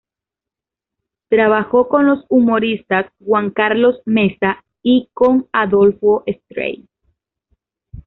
Trabajó con los humoristas Juan Carlos Mesa y con Adolfo Stray.